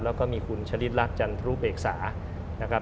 แล้วก็มีคุณชะลิดรักจันทรูปเบกษานะครับ